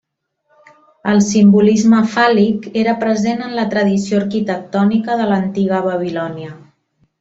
El simbolisme fàl·lic era present en la tradició arquitectònica de l'antiga Babilònia.